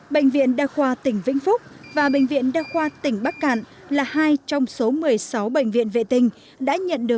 bệnh viện đa khoa tỉnh vĩnh phúc và bệnh viện đa khoa tỉnh bắc cạn